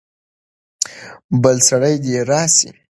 بل سړی دې راسي.